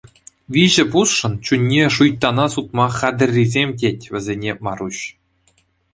Виҫӗ пусшӑн чунне шуйттана сутма хатӗррисем тет вӗсене Маруҫ.